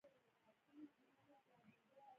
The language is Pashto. افغانستان د منی له پلوه متنوع دی.